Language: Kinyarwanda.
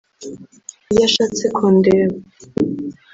Iyo ashatse kundeba